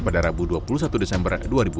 pada rabu dua puluh satu desember dua ribu dua puluh